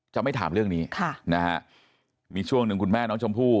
จะไม่ถามเรื่องนี้ค่ะนะฮะมีช่วงหนึ่งคุณแม่น้องชมพู่